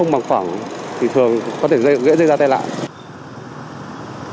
mà khoảng thì thường có thể rẽ ra tay lại